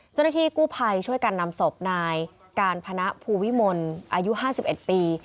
เจ้าหน้าที่กู้ภัยช่วยกันนำศพนายการพนะภูวิมลอายุ๕๑ปี